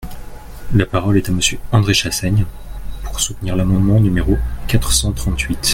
La parole est à Monsieur André Chassaigne, pour soutenir l’amendement numéro quatre cent trente-huit.